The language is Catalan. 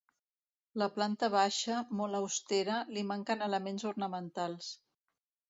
La planta baixa, molt austera, li manquen elements ornamentals.